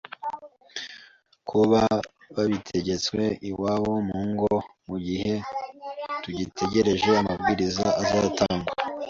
kuba bazibitse iwabo mu ngo mu gihe tugitegereje amabwiriza azatangwa